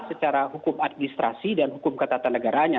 secara hukum administrasi dan hukum catatan negaranya